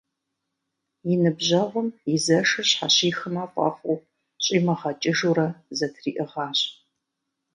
И ныбжьэгъум и зэшыр щхьэщихмэ фӏэфӏу, щӏимыгъэкӏыжурэ зэтриӏыгъащ.